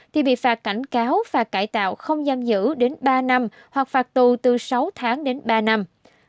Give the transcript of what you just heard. thì bị phạt cảnh cáo và cải tạo không giam giữ đến ba năm hoặc phạt tù từ sáu tháng đến ba năm